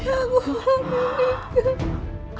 aku belum meninggal